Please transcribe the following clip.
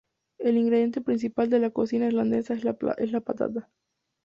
El ingrediente principal de la cocina irlandesa es la patata.